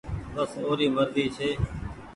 بس اوري مرزي ڇي۔